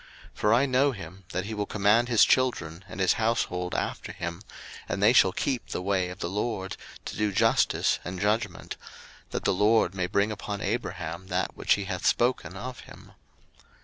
01:018:019 For I know him, that he will command his children and his household after him, and they shall keep the way of the LORD, to do justice and judgment; that the LORD may bring upon Abraham that which he hath spoken of him.